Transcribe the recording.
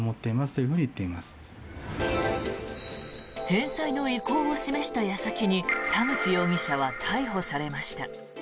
返済の意向を示した矢先に田口容疑者は逮捕されました。